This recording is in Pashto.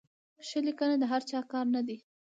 ښه لیکنه د هر چا کار نه دی.